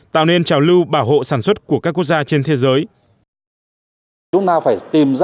tạo nên trào lưu bảo hộ sản xuất của các quốc gia trên thế giới